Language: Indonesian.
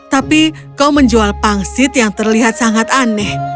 tapi kau menjual pangsit yang terlihat sangat aneh